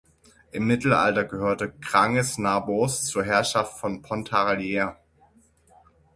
Im Mittelalter gehörte Granges-Narboz zur Herrschaft von Pontarlier.